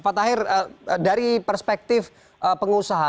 pak tahir dari perspektif pengusaha